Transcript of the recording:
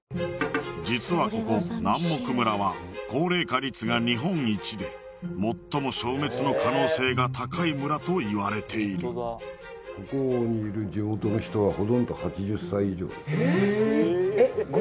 実はここ南牧村は高齢化率が日本一で最も消滅の可能性が高い村といわれているここにいるええ